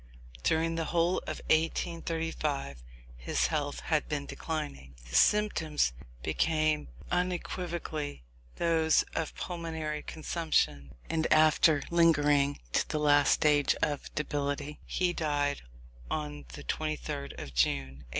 During the whole of 1835 his health had been declining: his symptoms became unequivocally those of pulmonary consumption, and after lingering to the last stage of debility, he died on the 23rd of June, 1836.